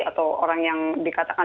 atau orang yang dikatakan